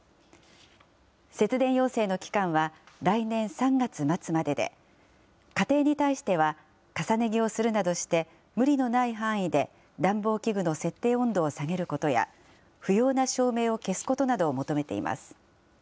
節電要請の期間は、来年３月末までで、家庭に対しては重ね着をするなどして、無理のない範囲で暖房器具の設定温度を下げることや、不要な照明を消すことなどを求めています。